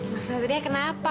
masa dia kenapa